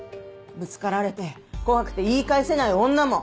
ぶつかられて怖くて言い返せない女も。